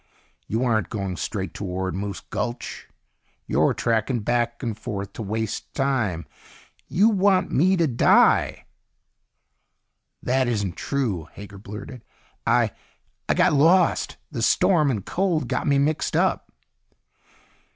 You aren't going straight toward Moose Gulch. You're tracking back and forth to waste time. You ... want me to die!" "That isn't true," Hager blurted. "I ... I got lost. The storm and cold got me mixed up."